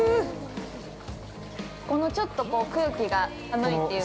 ◆このちょっと空気が寒いっていうか。